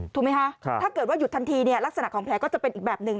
ถูกไหมคะถ้าเกิดว่าหยุดทันทีเนี่ยลักษณะของแผลก็จะเป็นอีกแบบหนึ่ง